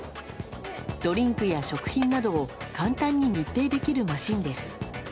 ドリンクや食品などを簡単に密閉できるマシンです。